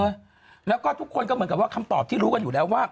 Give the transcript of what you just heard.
แล้วก็ทุกคนก็เหมือนกับว่าคำตอบที่รู้กันอยู่แล้วว่า